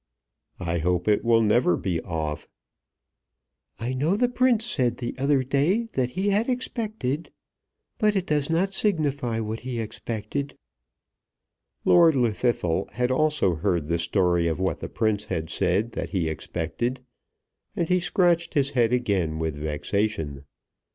"I hope it will never be off." "I know the Prince said the other day that he had expected . But it does not signify what he expected." Lord Llwddythlw had also heard the story of what the Prince had said that he expected, and he scratched his head again with vexation.